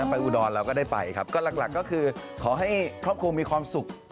อุดรเราก็ได้ไปครับก็หลักก็คือขอให้ครอบครัวมีความสุข